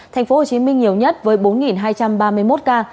tp hcm nhiều nhất với bốn hai trăm ba mươi một ca